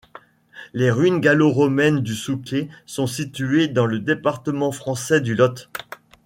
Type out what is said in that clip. Les ruines gallo-romaines du Souquet sont situées dans le département français du Lot.